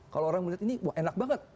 kalau orang melihat ini wah enak banget